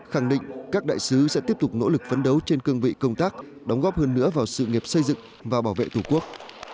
khẳng định các đại sứ sẽ tiếp tục nỗ lực phấn đấu trên cương vị công tác đóng góp hơn nữa vào sự nghiệp xây dựng và bảo vệ tổ quốc